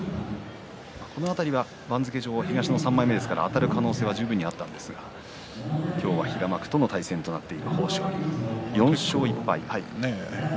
この辺り、番付上東の３枚目ですからあたる可能性は十分にありましたが今日は平幕との対戦となっている翠